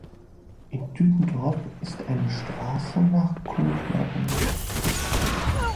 In Dübendorf ist eine Strasse nach Kunkler benannt.